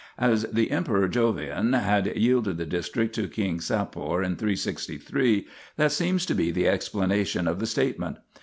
As the Emperor Jovian had yielded the district to King Sapor in 363, that seems to be the explanation of the statement.